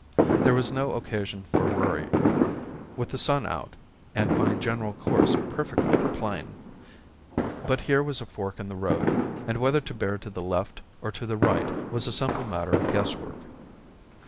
There was no occasion for worry, with the sun out, and my general course perfectly plain; but here was a fork in the road, and whether to bear to the left or to the right was a simple matter of guess work.